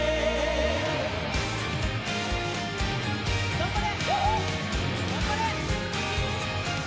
頑張れ。